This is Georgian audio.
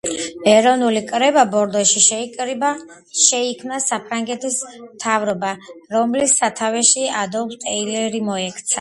ეროვნული კრება ბორდოში შეიკრიბა, შექმნა საფრანგეთის მთავრობა რომლის სათავეში ადოლფ ტიერი მოექცა.